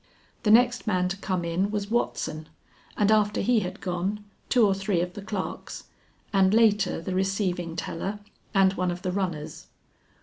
The next man to come in was Watson, and after he had gone, two or three of the clerks, and later the receiving teller and one of the runners.